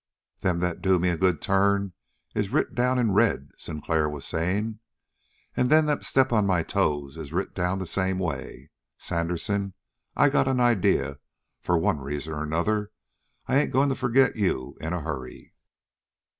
"Them that do me a good turn is writ down in red," Sinclair was saying; "and them that step on my toes is writ down the same way. Sandersen, I got an idea that for one reason or another I ain't going to forget you in a hurry."